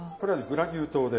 グラニュー糖で。